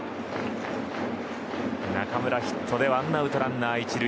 中村のヒットでワンアウトランナー、１塁。